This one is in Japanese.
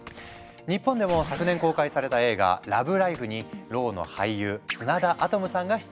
日本でも昨年公開された映画「ＬＯＶＥＬＩＦＥ」にろうの俳優砂田アトムさんが出演。